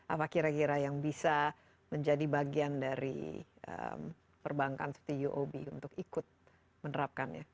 apa kira kira yang bisa menjadi bagian dari perbankan seperti uob untuk ikut menerapkannya